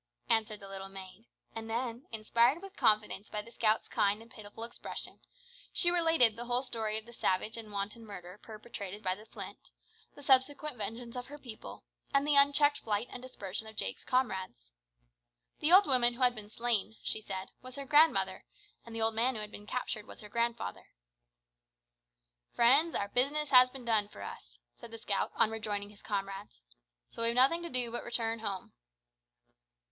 answered the little maid; and then, inspired with confidence by the scout's kind and pitiful expression, she related the whole story of the savage and wanton murder perpetrated by the Flint, the subsequent vengeance of her people, and the unchecked flight and dispersion of Jake's comrades. The old woman who had been slain, she said, was her grandmother, and the old man who had been captured was her grandfather. "Friends, our business has been done for us," said the scout on rejoining his comrades, "so we've nothing to do but return home."